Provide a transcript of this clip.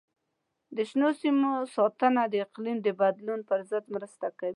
د شنو سیمو ساتنه د اقلیم د بدلون پر ضد مرسته کوي.